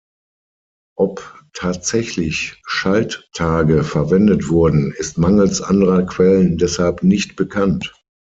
Ob tatsächlich Schalttage verwendet wurden, ist mangels anderer Quellen deshalb nicht bekannt.